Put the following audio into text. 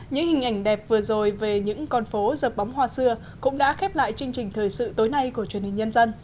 những hình ảnh đẹp vừa rồi về những con phố dợp bóng hoa xưa cũng đã khép lại chương trình thời sự tối nay của truyền hình nhân dân